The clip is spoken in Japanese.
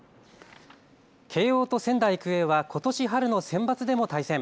慶応と仙台育英はことし春のセンバツでも対戦。